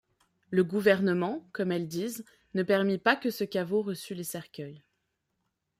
Le gouvernement, comme elles disent, ne permit pas que ce caveau reçût les cercueils.